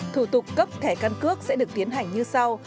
thủ tục cấp thẻ căn cước sẽ được tiến hành như sau